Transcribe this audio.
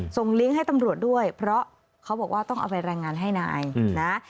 ลิงก์ให้ตำรวจด้วยเพราะเขาบอกว่าต้องเอาไปแรงงานให้นายนะ